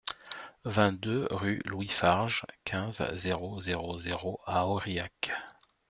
vingt-deux rue Louis Farges, quinze, zéro zéro zéro à Aurillac